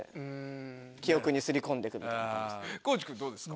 地君どうですか？